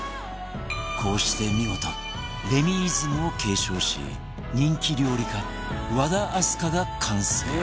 こうして見事レミイズムを継承し人気料理家和田明日香が完成